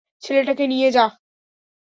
ছেলেটাকে নিয়ে যা।